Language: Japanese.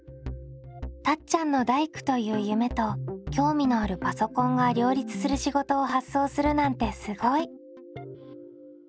たっちゃんの大工という夢と興味のあるパソコンが両立する仕事を発想するなんてすごい。